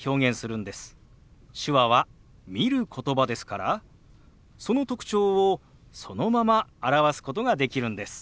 手話は見る言葉ですからその特徴をそのまま表すことができるんです。